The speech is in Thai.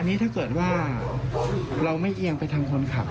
อันนี้ถ้าเกิดว่าเราไม่เอียงไปทางคนขับ